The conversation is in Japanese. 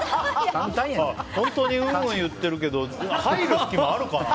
本当にうんうん言ってるけど入る隙間あるかな？